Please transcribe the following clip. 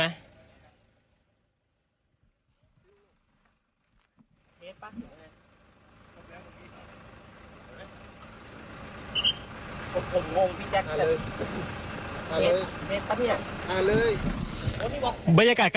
อันนี้คือเต็มร้อยเป็นเต็มร้อยเปอร์เซ็นต์แล้วนะครับ